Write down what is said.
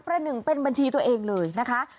หนึ่งเป็นบัญชีตัวเองเลยนะคะ